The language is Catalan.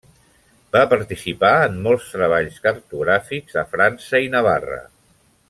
Va participar en molts treballs cartogràfics a França i Navarra.